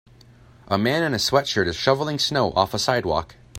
A man in a sweatshirt is shoveling snow off a sidewalk.